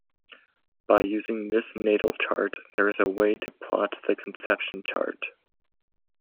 By using this Natal chart there is a way to plot the Conception chart.